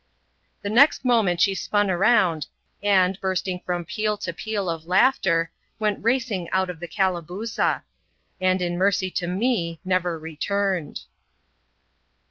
The next moment she spun round, and, bursting from peal to peal of laughter, went racing oxxt o^ >i)afe Q<^W)za ; and, in mercy to me, never returned.